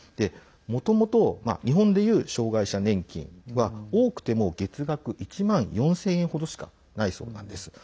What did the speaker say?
もともと日本でいう障害者年金は多くても月額１万４０００円程しかないそうなんです。